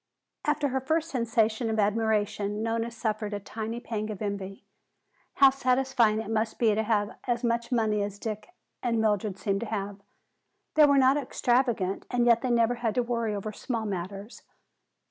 After her first sensation of admiration Nona suffered a tiny pang of envy. How satisfying it must be to have as much money as Dick and Mildred seemed to have! They were not extravagant and yet they never had to worry over small matters.